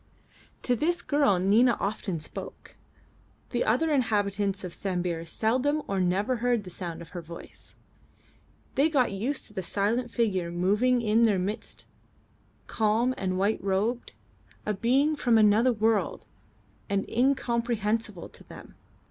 To this girl Nina often spoke; the other inhabitants of Sambir seldom or never heard the sound of her voice. They got used to the silent figure moving in their midst calm and white robed, a being from another world and incomprehensible to them.